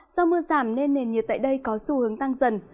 do mưa giảm nên nền nhiệt tại đây có xu hướng tăng dần